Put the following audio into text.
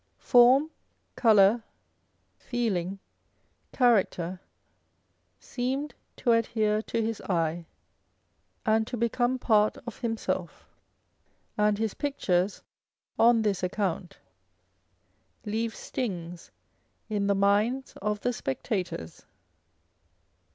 Form, colour, feeling, character, seemed to adhere to his eye, and to become part of him self ; and his pictures, on this account, " leave stings " in the minds of the spectators